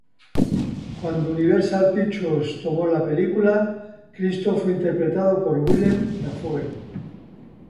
Cuando Universal Pictures tomó la película, Cristo fue interpretado por Willem Dafoe.